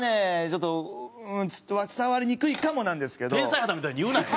ちょっと伝わりにくいかもなんですけど。